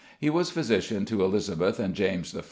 He was physician to Elizabeth and James I.